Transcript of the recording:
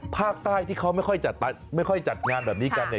ภาคใต้ที่เขาไม่ใช่จัดงานแบบนี้กันเอง